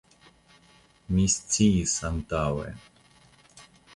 Mi sciis antaŭe.